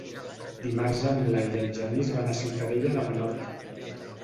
Dimarts en Blai i en Genís van a Ciutadella de Menorca.